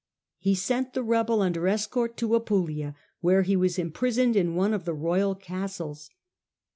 He sent the rebel under escort to Apulia, where he was imprisoned in one of the royal castles.